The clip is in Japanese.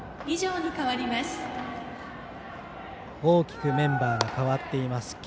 大きくメンバーが変わっています。